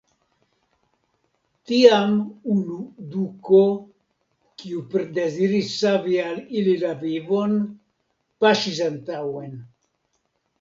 Tiam unu duko, kiu deziris savi al ili la vivon, paŝis antaŭen.